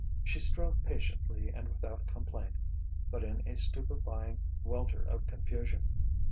She strove patiently and without complaint, but in a stupefying welter of confusion.